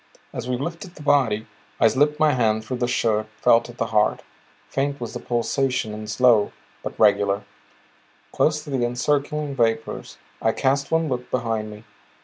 As we lifted the body, I slipped my hand through the shirt, felt at the heart. Faint was the pulsation and slow, but regular. Close to the encircling vapors I cast one look behind me.